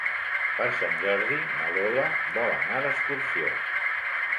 Per Sant Jordi na Lola vol anar d'excursió.